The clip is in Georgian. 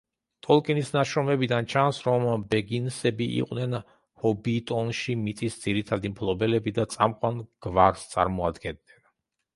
ტოლკინის ნაშრომებიდან ჩანს, რომ ბეგინსები იყვნენ ჰობიტონში მიწის ძირითადი მფლობელები და წამყვან გვარს წარმოადგენდნენ.